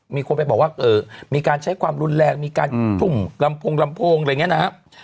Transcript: มีคนไปบอกว่ามีการใช้ความรุนแรงมีการทุ่มลำโพงลำโพงอะไรอย่างนี้นะครับ